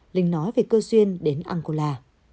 linh nói về cơ duyên đến angola